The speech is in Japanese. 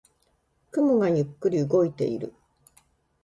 雲がゆっくり動いている。